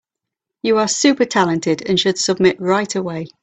You are super talented and should submit right away.